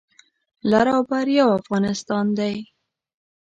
لر او بر یو افغانستان دی